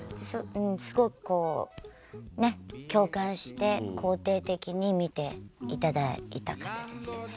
すごく共感して肯定的に見ていただいた感じですね。